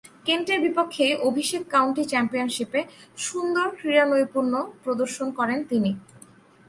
কেন্টের বিপক্ষে অভিষেক কাউন্টি চ্যাম্পিয়নশীপে সুন্দর ক্রীড়ানৈপুণ্য প্রদর্শন করেন তিনি।